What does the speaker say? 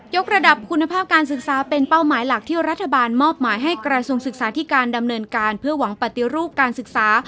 กระดับคุณภาพการศึกษาเป็นเป้าหมายหลักที่รัฐบาลมอบหมายให้กระทรวงศึกษาธิการดำเนินการเพื่อหวังปฏิรูปการศึกษา